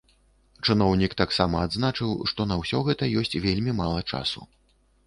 Чыноўнік таксама адзначыў, што на ўсё гэта ёсць вельмі мала часу.